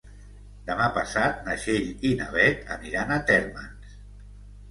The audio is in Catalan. Demà passat na Txell i na Beth aniran a Térmens.